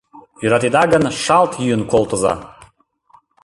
Йӧратеда гын, шалт йӱын колтыза